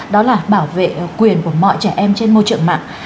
đó là bảo vệ quyền của mọi trẻ em trên môi trường mạng